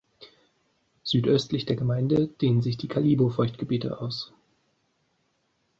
Südöstlich der Gemeinde dehnen sich die Kalibo-Feuchtgebiete aus.